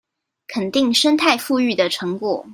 肯定生態復育的成果